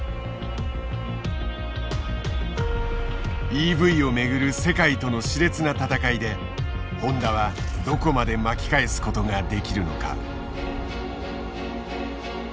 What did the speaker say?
ＥＶをめぐる世界とのしれつな闘いでホンダはどこまで巻き返すことができるのか。